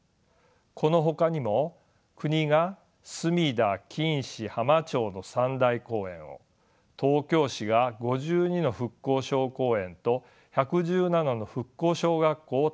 このほかにも国が隅田錦糸浜町の３大公園を東京市が５２の復興小公園と１１７の復興小学校を建てました。